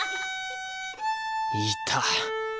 いた！